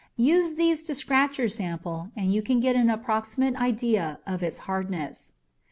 Use these to scratch your sample and you can get an approximate idea of its hardness.